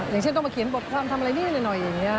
อย่างเช่นต้องมาเขียนบทความทำอะไรนิดหน่อยอย่างนี้